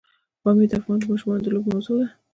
پامیر د افغان ماشومانو د لوبو موضوع ده.